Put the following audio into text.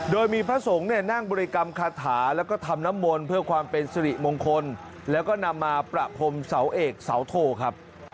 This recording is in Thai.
โดยมีพระสงฆ์เนี่ยนั่งบริกรรมคาถาแล้วก็ทำน้ำมนต์เพื่อความเป็นสิริมงคลแล้วก็นำมาประพรมเสาเอกเสาโทครับ